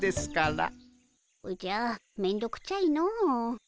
おじゃめんどくちゃいの。